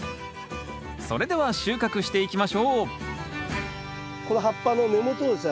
それでは収穫していきましょうこの葉っぱの根元をですね